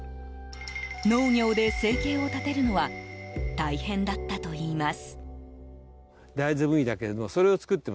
農業で生計を立てるのは大変だったといいます。